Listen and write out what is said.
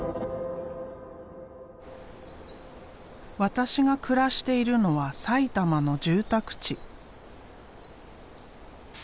私が暮らしているのは埼玉の住宅地。